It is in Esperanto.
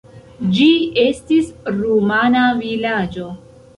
Ĝi estis rumana vilaĝo.